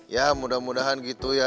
ya mudah mudahan gitu ya